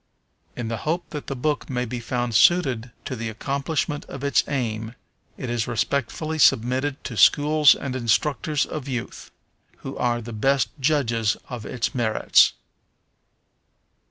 In the hope that the book may be found suited to the accomplishment of its aim, it is respectfully submitted to schools and instructors of youth, who are the best judges of its merits.